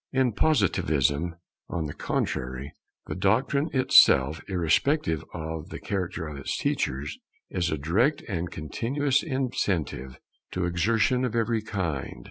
In Positivism, on the contrary, the doctrine itself, irrespective of the character of its teachers, is a direct and continuous incentive to exertion of every kind.